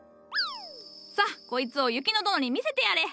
さあこいつを雪乃殿に見せてやれ。